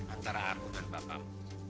antara aku dan bapamu